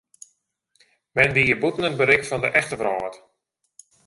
Men wie hjir bûten it berik fan de echte wrâld.